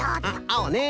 あおね。